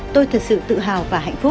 tôi thật sự tự hào và hạnh phúc